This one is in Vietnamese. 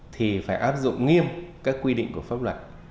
thì phải áp dụng nghiêm các quy định của pháp luật